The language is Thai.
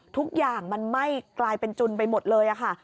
ทุกอย่างมันไหม้กลายเป็นจุนไปหมดเลยค่ะ